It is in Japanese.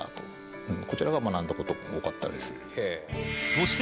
そして、